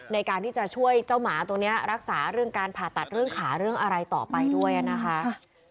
ในการที่จะช่วยเจ้าหมาตัวนี้รักษาเรื่องการผ่าตัดเรื่องขาเรื่องอะไรต่อไปด้วยนะคะ